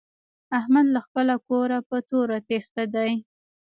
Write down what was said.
احمد له خپله کوره په توره تېښته دی.